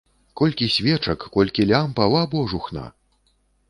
Колькі свечак, колькі лямпаў, а божухна!